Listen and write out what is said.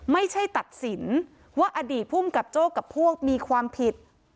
ไม่ใช่ตัดสินว่าอดีตภูมิกับโจ้กับพวกมีความผิด